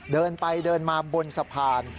เดินไปเดินมาบนสะพาน